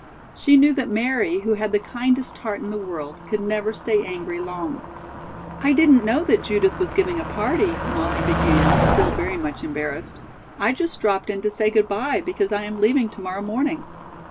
She knew that Mary, who had the kindest heart in the world, could never stay angry long. "I didn't know that Judith was giving a party," Molly began, still very much embarrassed. "I just dropped in to say good bye because I am leaving to morrow morning."